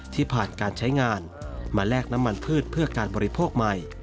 ที่ผ่านการใช้งานมาแลกน้ำมันพืชเพื่อการบริโภคใหม่